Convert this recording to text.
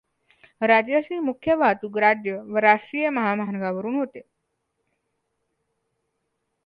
राज्याची मुख्य वाहतूक राज्य व राष्ट्रीय महामार्गावरून होते.